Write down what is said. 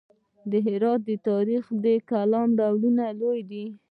د هرات تاریخي کلا ډېره لویه ده.